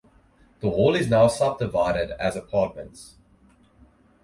The hall is now subdivided as apartments.